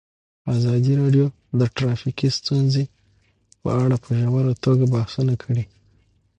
ازادي راډیو د ټرافیکي ستونزې په اړه په ژوره توګه بحثونه کړي.